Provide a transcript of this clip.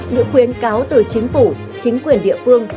những khuyến cáo từ chính phủ chính quyền địa phương